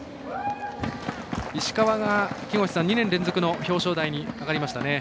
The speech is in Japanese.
石川が２年連続の表彰台に上がりましたね。